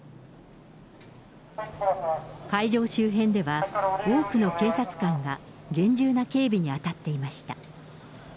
会場周辺では多くの警察官が厳重な警備に当たっていました。